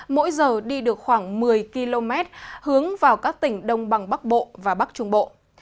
mỗi giờ đi được khoảng một mươi km hướng vào các tỉnh đông bằng bắc bộ và bắc trung bộ